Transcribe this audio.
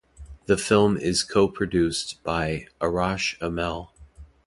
The film is co-produced by Arash Amel.